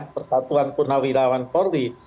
persatuan purnawilawan polri